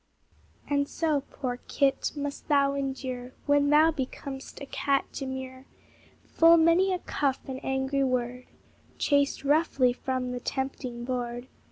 And so, poor kit! must thou endure, When thou becom'st a cat demure, Full many a cuff and angry word, Chased roughly from the tempting board.